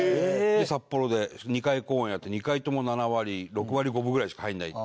札幌で２回公演やって２回とも７割６割５分ぐらいしか入らない。